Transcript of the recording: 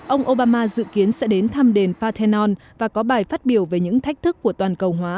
ông obama dự kiến sẽ đến thăm đền pathenol và có bài phát biểu về những thách thức của toàn cầu hóa